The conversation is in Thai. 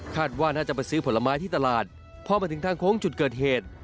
ว่าน่าจะไปซื้อผลไม้ที่ตลาดพอมาถึงทางโค้งจุดเกิดเหตุ